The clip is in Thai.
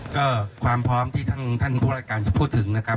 ก็ความพร้อมที่ท่านผู้ราชการพูดถึงนะครับ